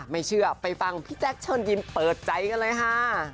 ไม่เชื่อไปฟังพี่แจ๊คเชิญยิ้มเปิดใจกันเลยค่ะ